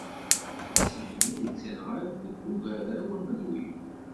Asif-nni yettenɣal deg Ugaraw Amelwi.